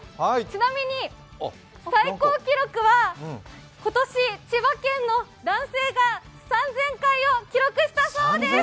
ちなみに最高記録は今年千葉県の男性が３０００回を記録したそうです。